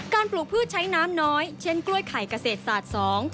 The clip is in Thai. การปลูกผู้ใช้น้ำน้อยเช่นกล้วยไข่เกษตรสาธสอง